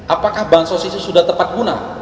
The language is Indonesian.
apakah bansos itu sudah tepat guna